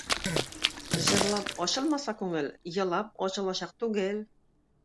Җырлап ачылмаса күңел, елап ачылачак түгел.